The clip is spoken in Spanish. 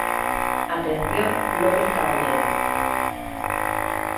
At. López-Cavallero.